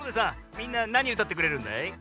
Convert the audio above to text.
みんななにうたってくれるんだい？